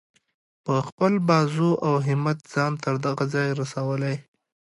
په خپل بازو او همت ځان تر دغه ځایه رسولی.